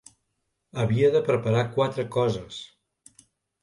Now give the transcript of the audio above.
Havia de preparar quatre coses.